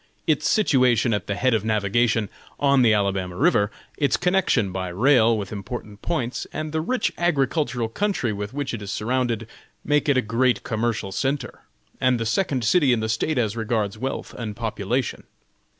Its situation at the head of navigation, on the Alabama river, its connection by rail with important points, and the rich agricultural country with which it is surrounded, make it a great commercial centre, and the second city in the State as regards wealth and population.